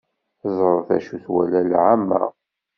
Ẓret acu twala lεamma.